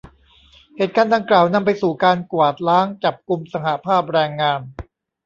เหตุการณ์ดังกล่าว นำไปสู่การกวาดล้างจับกุมสหภาพแรงงาน